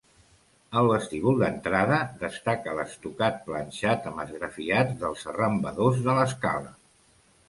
Al vestíbul d'entrada destaca l'estucat planxat amb esgrafiats dels arrambadors de l'escala.